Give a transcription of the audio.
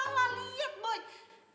papa yang salah liat boy